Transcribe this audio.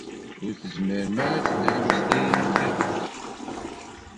Ur tezmirem ad teddrem s tayri kan.